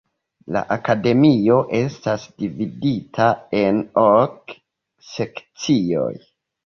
La Akademio estas dividita en ok sekcioj.